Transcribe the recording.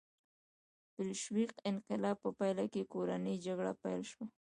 د بلشویک انقلاب په پایله کې کورنۍ جګړه پیل شوه.